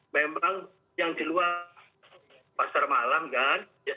memang yang di luar pasar malam kan